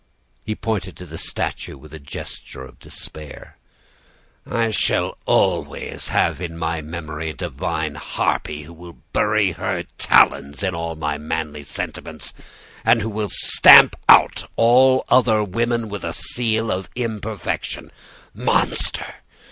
"He pointed to the statue with a gesture of despair. "'I shall always have in my memory a divine harpy who will bury her talons in all my manly sentiments, and who will stamp all other women with a seal of imperfection. Monster!